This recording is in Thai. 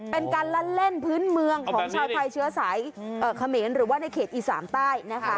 เป็นการละเล่นพื้นเมืองของชาวไทยเชื้อสายเขมรหรือว่าในเขตอีสานใต้นะคะ